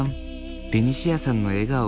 ベニシアさんの笑顔が輝く。